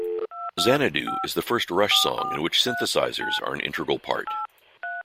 "Xanadu" is the first Rush song in which synthesizers are an integral part.